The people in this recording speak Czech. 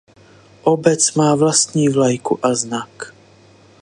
Obec má vlastní vlajku a znak.